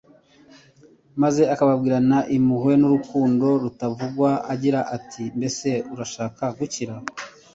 maze akababwirana impuhwe n'urukundo rutavugwa agira ati: "Mbese urashaka gukira?"